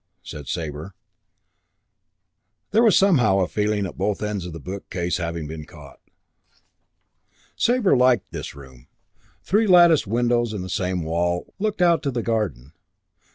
said Sabre. There was somehow a feeling at both ends of the bookcase of having been caught. II Sabre liked this room. Three latticed windows, in the same wall, looked on to the garden.